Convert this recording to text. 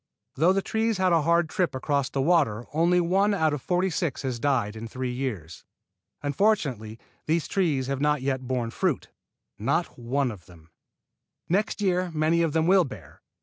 Though the trees had a hard trip across the water only one out of forty six has died in three years. Unfortunately these trees have not yet borne fruit, not one of them. Next year many of them will bear.